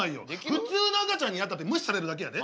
普通の赤ちゃんになったって無視されるだけやで？